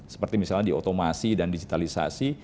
seperti misalnya di otomasi dan digitalisasi